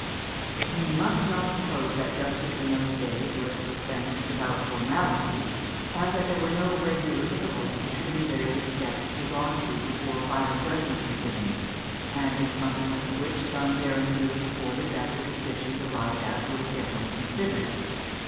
We must not suppose that justice in those days was dispensed without formalities, and that there were no regular intervals between the various steps to be gone through before final judgment was given, and in consequence of which some guarantee was afforded that the decisions arrived at were carefully considered.